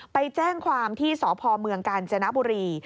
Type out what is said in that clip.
ไปแจ้งความที่สพเมืองกาญจนบุรี